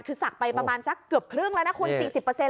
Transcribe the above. คือสักไปประมาณสักเกือบครึ่งละนะคุณ